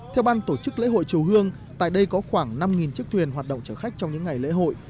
theo ban tổ chức lễ hội chùa hương tại đây có khoảng năm chiếc thuyền hoạt động chở khách trong những ngày lễ hội